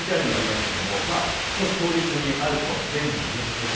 ＶＴＲにもありましたけれども引っ越し当日にあると便利なグッズ。